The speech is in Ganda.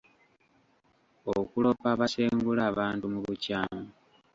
Okuloopa abasengula abantu mu bukyamu.